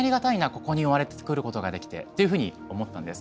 ここに生まれてくることができてっていうふうに思ったんです。